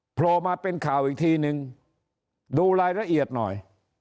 โผล่มาเป็นข่าวอีกทีนึงดูรายละเอียดหน่อย